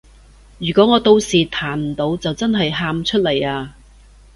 如果我到時彈唔到就真係喊出嚟啊